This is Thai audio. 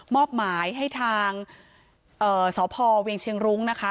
อบหมายให้ทางสพเวียงเชียงรุ้งนะคะ